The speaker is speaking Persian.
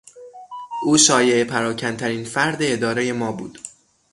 او شایعه پراکنترین فرد ادارهی ما بود.